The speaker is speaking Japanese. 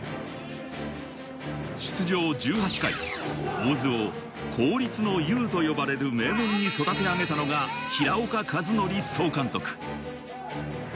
出場１８回、大津を公立の雄と呼ばれる名門に育て上げたのが平岡和徳総監督。